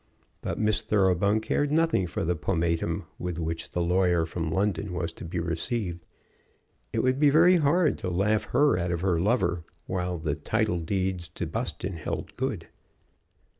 But Miss Thoroughbung cared nothing for the pomatum with which the lawyer from London was to be received. It would be very hard to laugh her out of her lover while the title deeds to Buston held good.